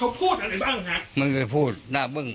เขาพูดอะไรบ้างครับมันก็พูดหน้าเบื้อง